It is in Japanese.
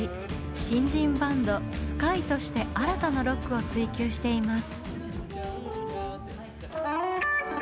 新人バンドＳＫＹＥとして新たなロックを追究しています。